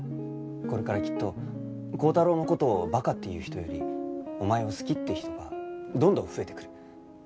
これからきっと高太郎の事をバカって言う人よりお前を好きって人がどんどん増えてくる。